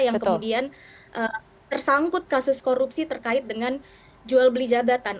yang kemudian tersangkut kasus korupsi terkait dengan jual beli jabatan